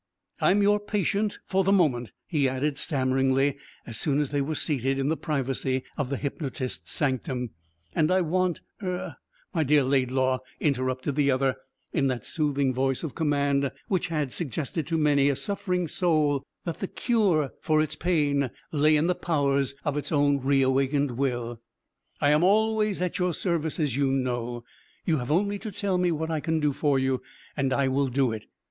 "I'm your patient for the moment," he added stammeringly as soon as they were seated in the privacy of the hypnotist's sanctum, "and I want er " "My dear Laidlaw," interrupted the other, in that soothing voice of command which had suggested to many a suffering soul that the cure for its pain lay in the powers of its own reawakened will, "I am always at your service, as you know. You have only to tell me what I can do for you, and I will do it."